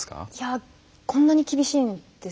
こんなに厳しいんですね。